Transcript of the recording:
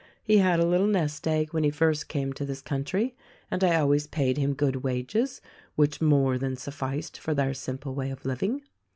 He had a little nest egg when he first came to this country, and I always paid him good wages which more than sufficed for their simple way of living.